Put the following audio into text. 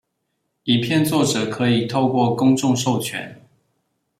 影片作者可以透過公眾授權